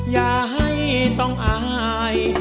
อย่าให้ต้องอาย